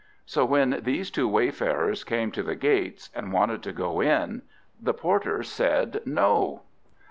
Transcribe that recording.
So when these two wayfarers came up to the gates, and wanted to go in, the porter said no.